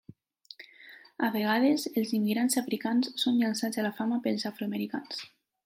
A vegades, els immigrants africans són llançats a la fama pels afroamericans.